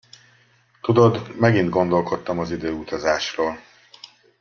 Tudod, megint gondolkodtam az időutazásról.